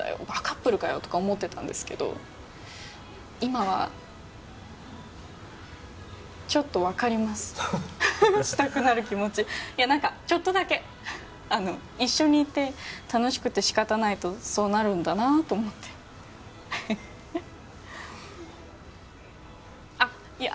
バカップルかよ」とか思ってたんですけど今はちょっと分かりますしたくなる気持ちいや何かちょっとだけあの一緒にいて楽しくて仕方ないとそうなるんだなと思ってあっ